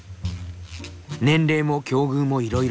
年齢も境遇もいろいろ。